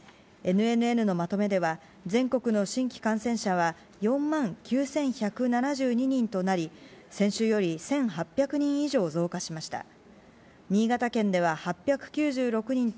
ＮＮＮのまとめでは、全国の新規感染者は４万９１７２人となり、先週より１８００人以上増加しました。